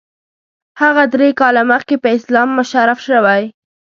هغه درې کاله مخکې په اسلام مشرف شوی.